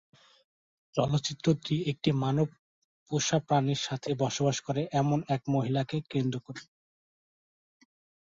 চলচ্চিত্রটি একটি মানব পোষা প্রাণীর সাথে বসবাস করে এমন এক মহিলাকে কেন্দ্র করে।